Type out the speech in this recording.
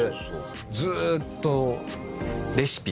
ずーっと。